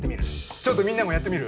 ちょっとみんなもやってみる？